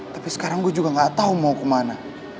tapi sekarang gue juga gak tahu mau kemana